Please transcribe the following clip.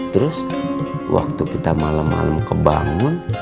terus waktu kita malam malam kebangun